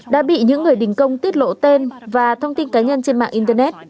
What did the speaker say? đã bị những người đình công tiết lộ tên và thông tin cá nhân trên mạng internet